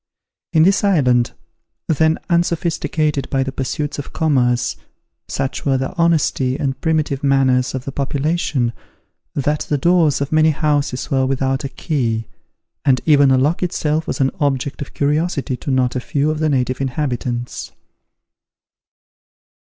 In this island, then unsophisticated by the pursuits of commerce, such were the honesty and primitive manners of the population, that the doors of many houses were without a key, and even a lock itself was an object of curiosity to not a few of the native inhabitants.